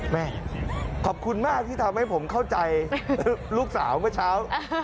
แม่ขอบคุณมากที่ทำให้ผมเข้าใจลูกสาวเมื่อเช้า